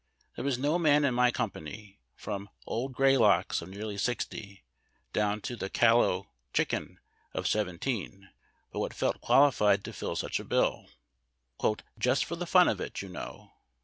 There w^as no man in my company — from old Graylocks, of nearly sixty, down to the callow "chicken" of seventeen — but what felt qualified to fill such a bill, "just for the fun of it, a'ou know."